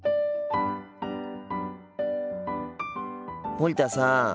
森田さん